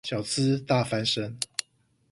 小資大翻身